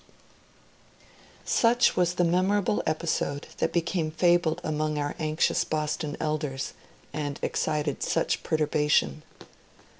UNITARIAN CLERGY IN BOSTON 169 Such was the memorable episode that became fabled among our anxious Boston elders, and excited such perturbation.